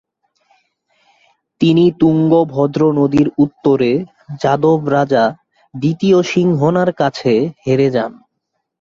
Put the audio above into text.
তিনি তুঙ্গভদ্র নদীর উত্তরে যাদব রাজা দ্বিতীয় সিংহনার কাছে হেরে যান।